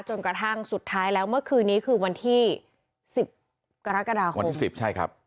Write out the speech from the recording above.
จนกระทั่งสุดท้ายแล้วเมื่อคืนนี้คือวันที่๑๐กรกฎาคมวันที่๑๐ใช่ครับ